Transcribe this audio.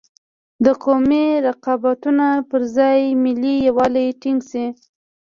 د قومي رقابتونو پر ځای ملي یوالی ټینګ شي.